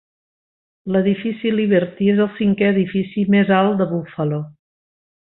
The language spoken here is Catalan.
L'edifici Liberty és el cinquè edifici més alt de Buffalo.